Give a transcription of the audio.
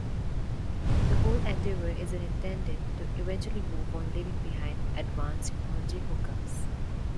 The whole endeavor is intended to eventually move on leaving behind advanced technology hook-ups.